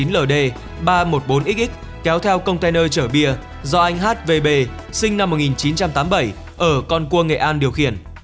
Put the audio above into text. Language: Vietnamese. hai mươi chín ld ba trăm một mươi bốn xx kéo theo container chở bia do anh h v b sinh năm một nghìn chín trăm tám mươi bảy ở con cua nghệ an điều khiển